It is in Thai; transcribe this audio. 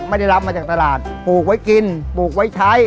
ไม่ได้รับมาจากตลาดปลูกไว้กินปลูกไว้ใช้